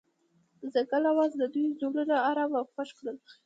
د ځنګل اواز د دوی زړونه ارامه او خوښ کړل.